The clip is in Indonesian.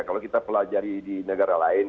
kalau kita pelajari di negara lain